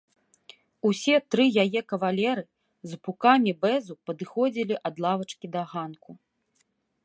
Усе тры яе кавалеры з пукамі бэзу падыходзілі ад лавачкі да ганку.